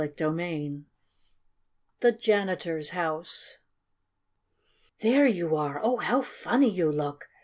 CHAPTER III THE JANITOR'S HOUSE "There you are! Oh, how funny you look!"